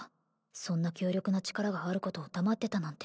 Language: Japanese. そんな強力な力があることを黙ってたなんて